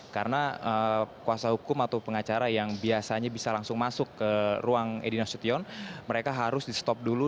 karena kuasa hukum atau pengacara yang biasanya bisa langsung masuk ke ruang edina sution mereka harus di stop dulu